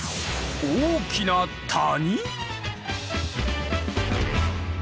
大きな谷⁉